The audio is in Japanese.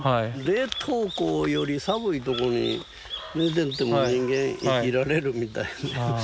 冷凍庫より寒いとこに寝てても人間生きられるみたいで。